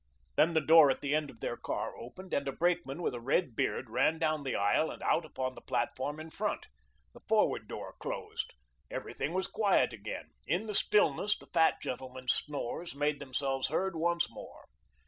Then the door at the end of their car opened and a brakeman with a red beard ran down the aisle and out upon the platform in front. The forward door closed. Everything was quiet again. In the stillness the fat gentleman's snores made themselves heard once more.